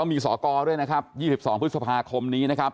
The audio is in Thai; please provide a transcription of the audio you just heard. มีศกดนะครับ๒๒พฤษภาคมนี้นะครับ